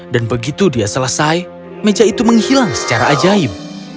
begitu dia selesai meja itu menghilang secara ajaib